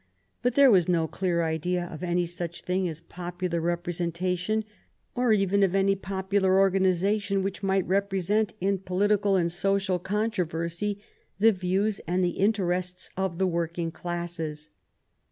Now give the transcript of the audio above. But there was no clear idea of any such thing as popular representation, or even of any popular organization which might represent in political and social contro versy the views and the interests of the working classes.